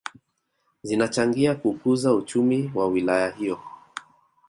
Zinachangia kukuza uchumi wa wilaya hiyo